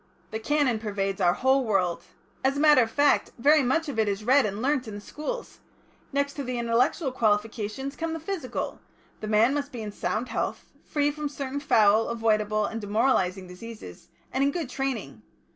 "The Canon pervades our whole world. As a matter of fact, very much of it is read and learnt in the schools.... Next to the intellectual qualification comes the physical, the man must be in sound health, free from certain foul, avoidable, and demoralising diseases, and in good training.